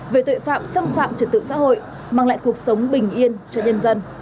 về tội phạm xâm phạm trật tự xã hội mang lại cuộc sống bình yên cho nhân dân